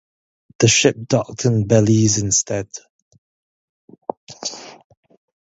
The ship docked in Belize instead.